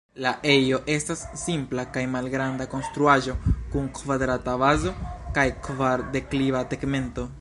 La ejo estas simpla kaj malgranda konstruaĵo kun kvadrata bazo kaj kvar-dekliva tegmento.